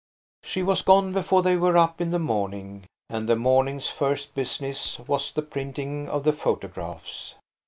She was gone before they were up in the morning, and the morning's first business was the printing of the photographs.